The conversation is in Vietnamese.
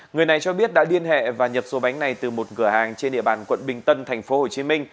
người này cho biết đã điên hệ và nhập số bánh này từ một cửa hàng trên địa bàn quận bình tân tp hcm